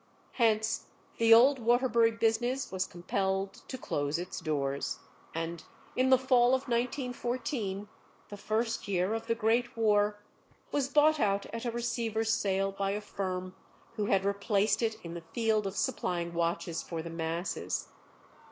Hence the old Waterbury business was compelled to close its doors, and in the fall of 1914, the first year of the Great War, was bought out at a receiver's sale by a firm who had replaced it in the field of supplying watches for the masses.